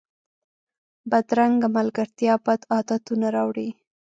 بدرنګه ملګرتیا بد عادتونه راوړي